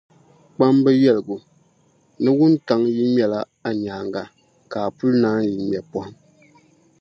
Kpamba yɛligu ni, wuntaŋa yi ŋmɛla a nyaaŋa, ka a puli naanyi ŋme pɔhim.